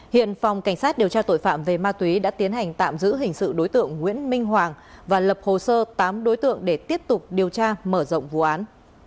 hiện phòng cảnh sát điều tra tội phạm về ma túy đã tiến hành tạm giữ hình sự đối tượng nguyễn minh hoàng và lập hồ sơ tám đối tượng để tiếp tục điều tra mở rộng vụ án